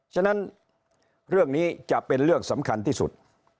ฉะนั้นเรื่องนี้จะเป็นเรื่องสำคัญที่สุด